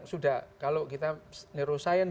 sudah kalau kita neuroscience